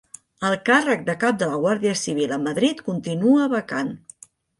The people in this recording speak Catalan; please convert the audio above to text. El càrrec de cap de la Guàrdia Civil a Madrid continua vacant